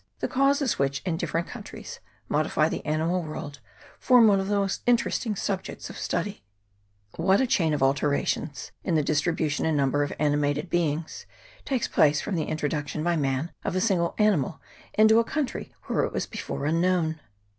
The causes which, in different countries, modify the ani mal world, form one of the most interesting subjects of study. What a chain of alterations, in the dis tribution and number of animated beings, takes CHAP. XXVIII.] SPECIAL CHANGES. 417 place from the introduction by man of a single animal into a country where it was before unknown